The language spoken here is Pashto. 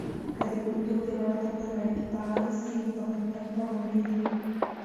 که د کلتور د غړو ترمنځ اړیکې فعاله سي، نو پرمختګ به موجود وي.